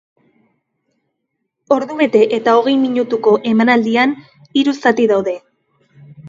Ordubete eta hogei minutuko emaldian, hiru zati daude.